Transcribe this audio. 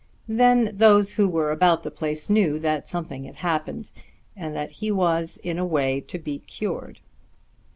Then those who were about the place knew that something had happened, and that he was in a way to be cured.